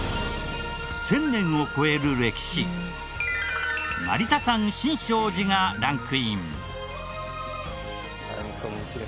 １０００年を超える歴史成田山新勝寺がランクイン。